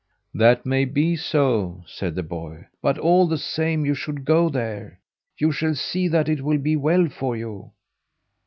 "That may be so," said the boy, "but all the same you should go there. You shall see that it will be well for you."